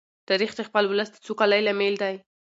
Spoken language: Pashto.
تاریخ د خپل ولس د سوکالۍ لامل دی.